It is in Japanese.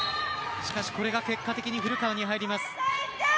しかし、これが結果的に古川に入ります。